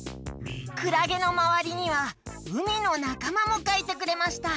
くらげのまわりにはうみのなかまもかいてくれました。